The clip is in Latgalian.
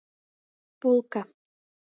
Pulka.